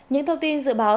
những thông tin dự báo